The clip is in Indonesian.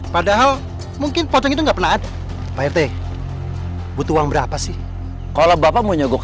padahal mungkin potong itu enggak pernah ada pak rt butuh uang berapa sih kalau bapak mau nyogok